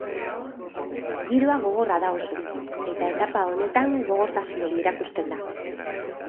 Giroa gogorra da oso, eta etapa honetan gogortasun hori erakusten da.